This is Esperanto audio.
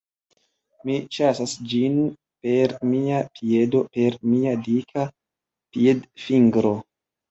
Mi ĉasas ĝin per mia piedo per mia dika piedfingro...